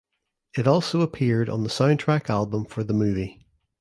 It also appeared on the soundtrack album for the movie.